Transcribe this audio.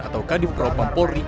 atau kadif keraupan polri